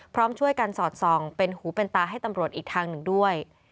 พร้อมช่วยกันสอดส่องเป็นหูเป็นตาให้ตำรวจอีกทางหนึ่งด้วย